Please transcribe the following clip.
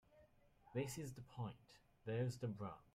This is the point. There's the rub.